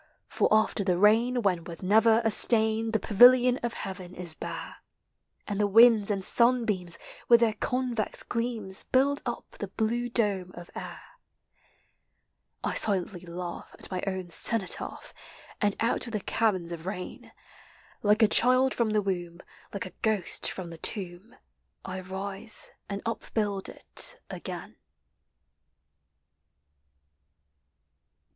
For after the rain, when, with never a stain, The pavilion of heaven is hare And the winds and sunbeams, with their COnves gleams, Build up the blue dome of air. I silently laugh at my own cenotaph, And out of the caverns of rain. Like a child from the womb, like a ghost from the tomb, I rise and upbuild it again.